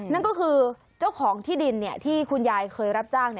นั่นก็คือเจ้าของที่ดินที่คุณยายเคยรับจ้าง